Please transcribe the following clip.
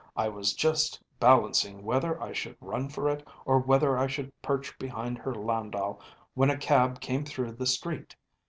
I was just balancing whether I should run for it, or whether I should perch behind her landau when a cab came through the street.